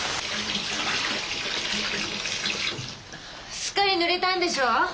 すっかりぬれたんでしょ？